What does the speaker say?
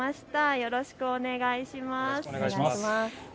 よろしくお願いします。